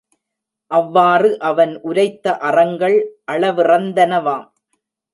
அவ்வாறு அவன் உரைத்த அறங்கள் அளவிறந்தனவாம்.